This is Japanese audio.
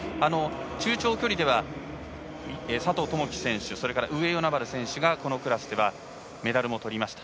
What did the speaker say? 中長距離では佐藤友祈選手、上与那原選手がこのクラスでメダルもとりました。